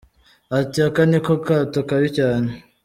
Ati “Aka ni ko kato kabi cyane.